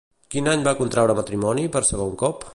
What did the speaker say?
Quin any va contraure matrimoni per segon cop?